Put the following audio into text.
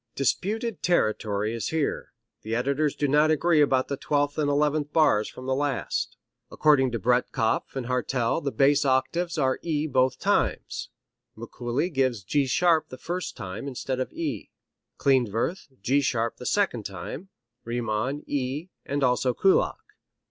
Disputed territory is here: the editors do not agree about the twelfth and eleventh bars from the last. According to Breitkopf & Hartel the bass octaves are E both times. Mikuli gives G sharp the first time instead of E; Klindworth, G sharp the second time; Riemann, E, and also Kullak.